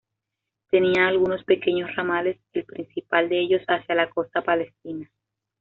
Tenía algunos pequeños ramales, el principal de ellos hacia la costa palestina.